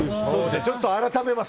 ちょっと改めます。